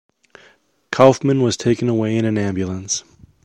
Kaufman was taken away in an ambulance.